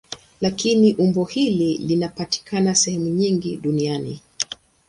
Lakini umbo hili linapatikana sehemu nyingi duniani.